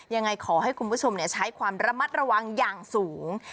ยังไงขอให้คุณผู้ชมใช้ความระมัดระวังอย่างสูง